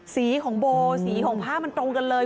สีของโบสีของผ้ามันตรงกันเลย